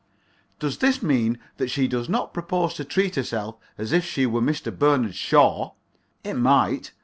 Does this mean that she does not propose to treat herself as if she were Mr. Bernard Shaw? It might.